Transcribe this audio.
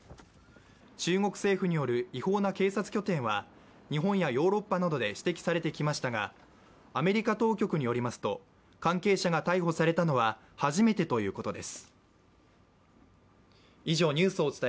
中国政府による違法な警察拠点は、日本やヨーロッパなどで指摘されてきましたが、アメリカ当局によりますと関係者が逮捕されたのは初めてということです。